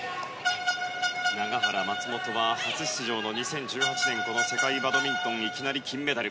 永原、松本は初出場の２０１８年この世界バドミントンいきなり金メダル。